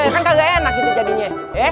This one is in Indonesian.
kan kagak enak itu jadinya